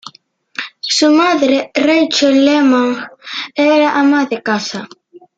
Su madre, Rachel Lehmann, era ama de casa.